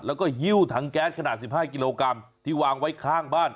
แล้วก็หิ้วถังแก๊สขนาด๑๕กิโลกรัมที่วางไว้ข้างบ้าน